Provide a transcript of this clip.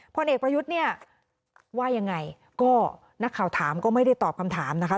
พลเอกประยุทธ์เนี่ยว่ายังไงก็นักข่าวถามก็ไม่ได้ตอบคำถามนะคะ